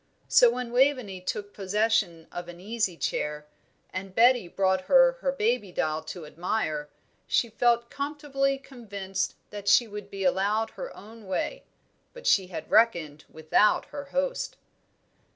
So when Waveney took possession of an easy chair, and Betty brought her her baby doll to admire, she felt comfortably convinced that she would be allowed her own way; but she had reckoned without her host.